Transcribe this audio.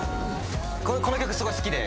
この曲すごい好きで。